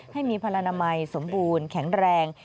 ให้มีพลนามัยสมบูรณ์แข็งแรง